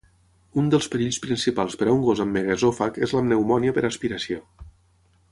Un dels perills principals per a un gos amb megaesòfag és la pneumònia per aspiració.